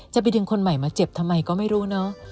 ไปดึงคนใหม่มาเจ็บทำไมก็ไม่รู้เนอะ